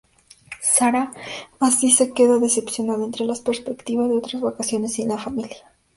Sarah así se queda decepcionada ante la perspectiva de otras vacaciones sin la familia.